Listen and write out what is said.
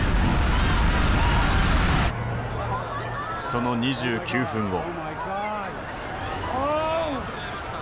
その２９分後。